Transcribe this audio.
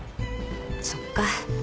そっか。